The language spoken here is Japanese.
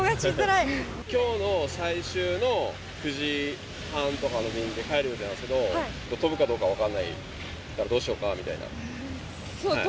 きょうの最終の９時半とかの便で帰る予定なんですけど、飛ぶかどうか分かんないから、どうしようかみたいな。